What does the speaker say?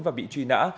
và bị truy nã